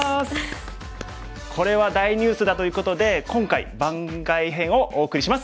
これは大ニュースだということで今回番外編をお送りします。